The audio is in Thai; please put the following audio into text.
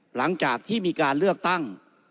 หลังจากที่มีการเลือกตั้ง